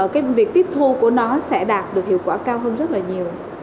cái việc tiếp thu của nó sẽ đạt được hiệu quả cao hơn rất là nhiều